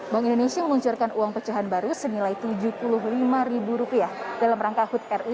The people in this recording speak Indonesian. bangunan isi meluncurkan uang pecahan baru senilai tujuh puluh lima rupiah dalam rangka hudkari